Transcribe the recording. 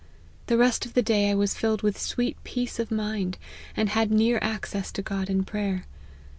The rest oi the day I was filled with sweet peace of mind, and had near access to God in prayer.